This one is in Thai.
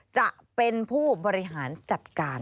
จะเป็นผู้บริหารจัดการ